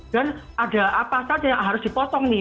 dan ada apa saja yang harus dipotong nih